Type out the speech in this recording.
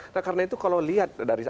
nah karena itu kalau lihat dari